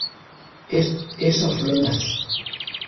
Es afluente del Pas.